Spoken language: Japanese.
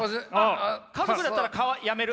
家族だったらやめる？